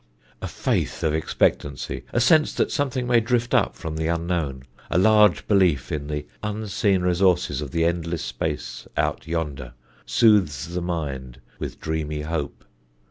A faith of expectancy, a sense that something may drift up from the unknown, a large belief in the unseen resources of the endless space out yonder, soothes the mind with dreamy hope.